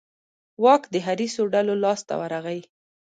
واک د حریصو ډلو لاس ته ورغی.